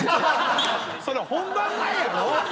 それ本番前やろ？